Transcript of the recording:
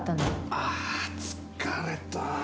あー、疲れた。